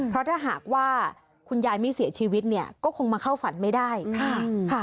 เพราะถ้าหากว่าคุณยายไม่เสียชีวิตเนี่ยก็คงมาเข้าฝันไม่ได้ค่ะ